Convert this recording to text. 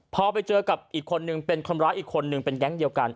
พอไปเจอกับอีกคนนึงเป็นคนร้ายอีกคนนึงเป็นแก๊งเดียวกัน